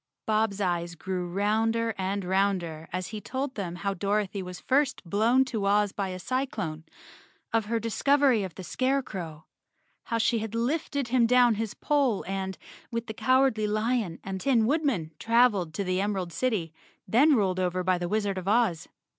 Bob's eyes grew rounder and rounder as he told them how Dorothy was first blown to Oz by a cyclone, of her discovery of the Scarecrow, how she had lifted him down his pole and, with the Cowardly Lion and Tin Woodman, traveled to the Emerald City, then ruled over by the Wizard of Oz.